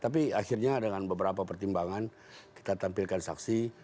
tapi akhirnya dengan beberapa pertimbangan kita tampilkan saksi